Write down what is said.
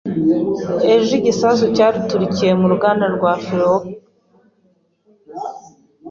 Ejo, igisasu cyaturikiye mu ruganda rwa fireworks.